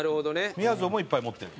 みやぞんもいっぱい持ってる？